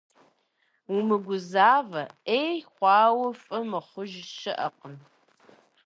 Умыгузавэ, ӏей хъуауэ фӏы мыхъуж щыӏэкъым.